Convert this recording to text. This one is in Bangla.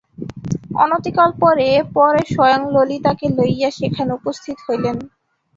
অনতিকাল পরে পরেশ স্বয়ং ললিতাকে লইয়া সেখানে উপস্থিত হইলেন।